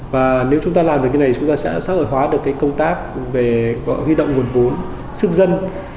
và nếu chúng ta làm được cái này chúng ta sẽ xã hội hóa được cái công tác về huy động nguồn vốn sức dân